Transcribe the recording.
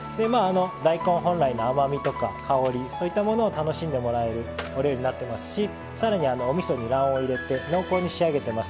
大根本来の甘みとか香りそういったものを楽しんでもらえるお料理になってますしさらにおみそに卵黄を入れて濃厚に仕上げてます。